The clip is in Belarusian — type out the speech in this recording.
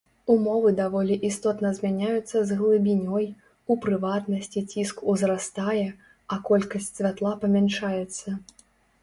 Умовы даволі істотна змяняюцца з глыбінёй, у прыватнасці ціск узрастае, а колькасць святла памяншаецца.